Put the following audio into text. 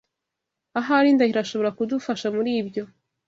Ahari Ndahiro ashobora kudufasha muri ibyo.